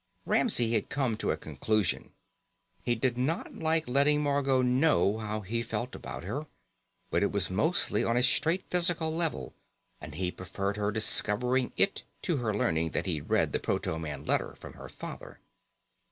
Ramsey had come to a conclusion: he did not like letting Margot know how he felt about her, but it was mostly on a straight physical level and he preferred her discovering it to her learning that he'd read the proto man letter from her father.